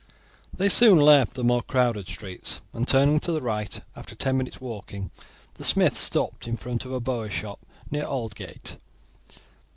They soon left the more crowded streets, and turning to the right, after ten minutes walking, the smith stopped in front of a bowyer shop near Aldgate.